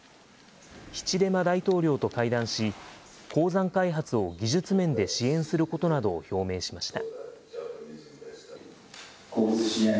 ヒチレマ大統領と会談し、鉱山開発を技術面で支援することなどを表明しました。